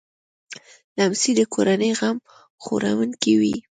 لمسی د کورنۍ غم خوړونکی وي.